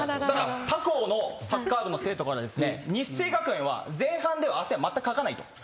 他校のサッカー部の生徒からですね日生学園は前半では汗はまったくかかないと。